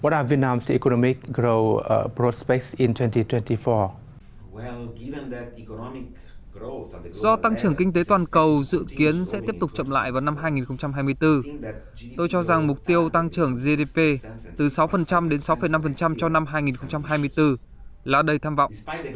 do tăng trưởng kinh tế toàn cầu dự kiến sẽ tiếp tục chậm lại vào năm hai nghìn hai mươi bốn tôi cho rằng mục tiêu tăng trưởng gdp từ sáu đến sáu năm cho năm hai nghìn hai mươi bốn là đầy tham vọng